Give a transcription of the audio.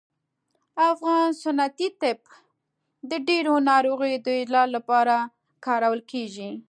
افغان سنتي طب د ډیرو ناروغیو د علاج لپاره کارول کیږي